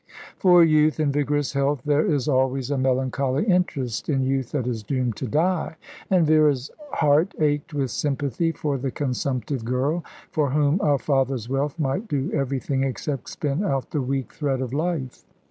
For youth in vigorous health there is always a melancholy interest in youth that is doomed to die, and Vera's heart ached with sympathy for the consumptive girl, for whom a father's wealth might do everything except spin out the weak thread of life.